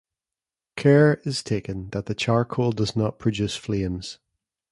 Care is taken that the charcoal does not produce flames.